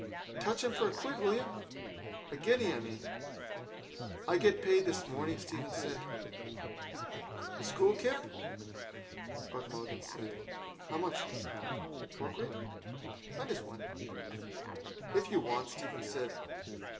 Touch him for a quid, will you? A guinea, I mean. —I get paid this morning, Stephen said. —The school kip? Buck Mulligan said. How much? Four quid? Lend us one. —If you want it, Stephen said.